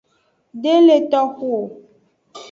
De le toxu o.